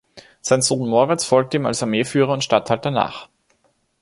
Sein Sohn Moritz folgte ihm als Armeeführer und Statthalter nach.